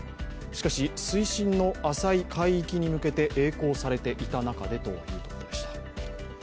しかし、水深浅い海域に向けてえい航されていた中でということでした。